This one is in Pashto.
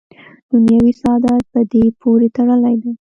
دنیوي سعادت په دې پورې تړلی دی.